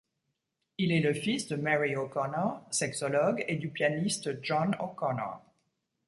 Il est le fils de Mary O'Conor, sexologue, et du pianiste John O'Conor.